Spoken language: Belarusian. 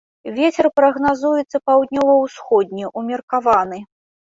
Вецер прагназуецца паўднёва-ўсходні, умеркаваны.